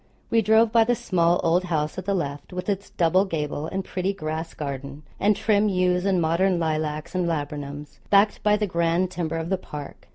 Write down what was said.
We drove by the small old house at the left, with its double gable and pretty grass garden, and trim yews and modern lilacs and laburnums, backed by the grand timber of the park.